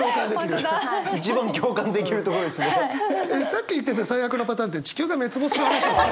さっき言ってた最悪のパターンって地球が滅亡する話でしたっけ？